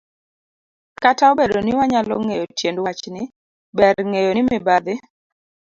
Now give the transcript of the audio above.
Kata obedo ni wanyalo ng'eyo tiend wachni, ber ng'eyo ni mibadhi